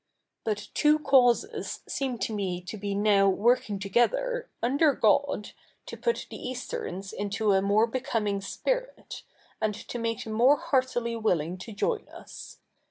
But two causes seem to me to be now working together, under God, to put the Easterns into a more becoming CH. iv] THE NEW REPUBLIC 167 spirit, and to make them more heartily wilHng to join us.